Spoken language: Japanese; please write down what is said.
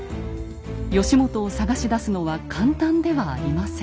義元を捜し出すのは簡単ではありません。